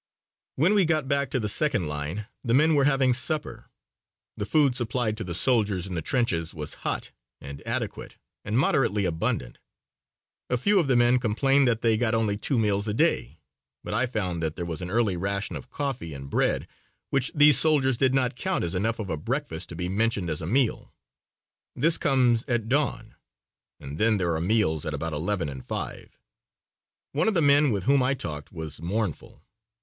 When we got back to the second line the men were having supper. The food supplied to the soldiers in the trenches was hot and adequate and moderately abundant. A few of the men complained that they got only two meals a day, but I found that there was an early ration of coffee and bread which these soldiers did not count as enough of a breakfast to be mentioned as a meal. This comes at dawn and then there are meals at about eleven and five. One of the men with whom I talked was mournful.